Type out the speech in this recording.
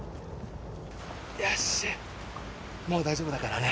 よしもう大丈夫だからね。